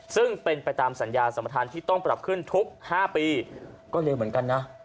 ซึ่งเป็นไปตามสัญญาสัมประธานที่ต้องปรับขึ้นทุก๕ปีก็เร็วเหมือนกันนะ